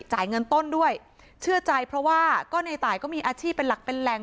จ่ายเงินต้นด้วยเชื่อใจเพราะว่าก็ในตายก็มีอาชีพเป็นหลักเป็นแหล่ง